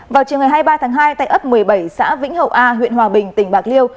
vào chiều ngày hai mươi ba tháng hai tại ấp một mươi bảy xã vĩnh hậu a huyện hòa bình tỉnh bạc liêu